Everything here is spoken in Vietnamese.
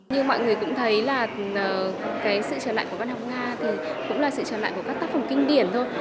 như mọi người cũng thấy là cái sự trở lại của văn học nga thì cũng là sự trở lại của các tác phẩm kinh điển thôi